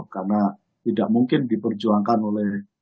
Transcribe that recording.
karena tidak mungkin diperjuangkan oleh